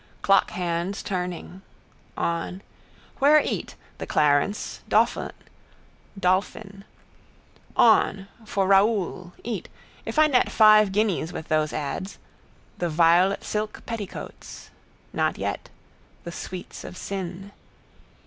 Clockhands turning. On. Where eat? The Clarence, Dolphin. On. For Raoul. Eat. If I net five guineas with those ads. The violet silk petticoats. Not yet. The sweets of sin.